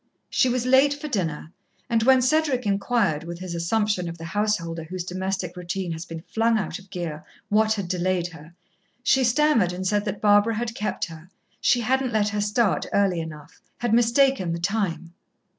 She was late for dinner, and when Cedric inquired, with his assumption of the householder whose domestic routine has been flung out of gear, what had delayed her, she stammered and said that Barbara had kept her she hadn't let her start early enough had mistaken the time.